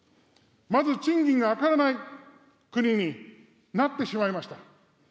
まず賃金が上がらない国になってしまいました。